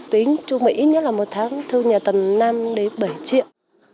tính chung với ít nhất là một tháng thu nhập tầm năm bảy triệu